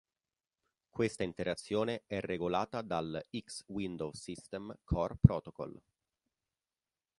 Questa interazione è regolata dal X Window System core protocol.